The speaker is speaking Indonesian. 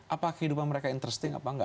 apakah kehidupan mereka menarik atau tidak